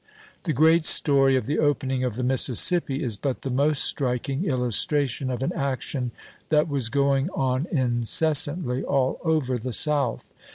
The great story of the opening of the Mississippi is but the most striking illustration of an action that was going on incessantly all over the South.